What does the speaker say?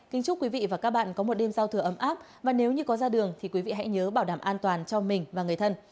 kính chúc quý vị và các bạn có một đêm giao thừa ấm áp và nếu như có ra đường thì quý vị hãy nhớ bảo đảm an toàn cho mình và người thân